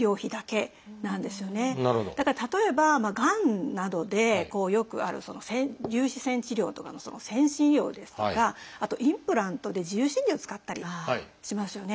だから例えばがんなどでよくある粒子線治療とかの先進医療ですとかあとインプラントで自由診療を使ったりしますよね。